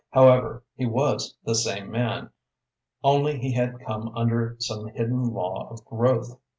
However, he was the same man, only he had come under some hidden law of growth.